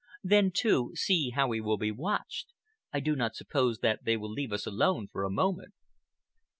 Then, too, see how he will be watched. I do not suppose that they will leave us alone for a moment."